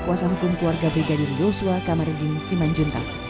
kuasa hukum keluarga brigadir yosua kamarudin simanjuntak